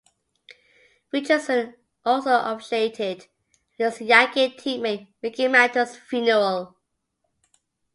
Richardson also officiated at his Yankee teammate Mickey Mantle's funeral.